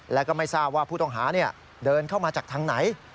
แล้วก็ไม่ทราบว่าผู้ต้องหาเดินเข้ามาจากทางไหน